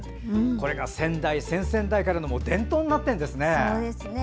これが先代、先々代からの伝統になっているんですね。